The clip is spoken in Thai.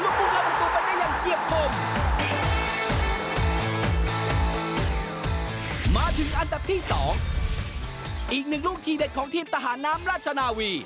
ลูกผู้เข้าประตูได้อย่างเชียบดนมาดิ